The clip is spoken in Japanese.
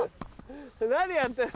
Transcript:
何やってる？